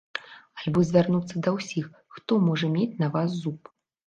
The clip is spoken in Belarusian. Альбо звярнуцца да ўсіх, хто можа мець на вас зуб.